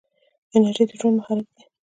انرژي د ژوند محرک دی.